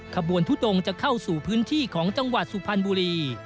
ขบวนทุดงจะเข้าสู่พื้นที่ของจังหวัดสุพรรณบุรี